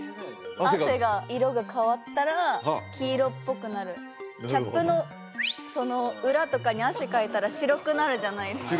汗が色が変わったら黄色っぽくなるキャップの裏とかに汗かいたら白くなるじゃないですか？